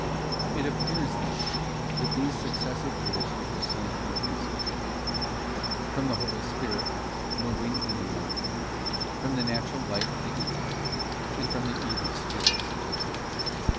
It appears, then, that these Successive Words may proceed from three sources: from the Holy Spirit, moving and en lightening; from the natural light of the intellect; and from the evil spirit suggesting.